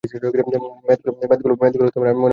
ম্যাথগুলো আমি মনে মনে করেছি।